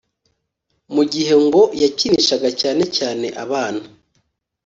mu gihe ngo we yakinishaga cyane cyane abana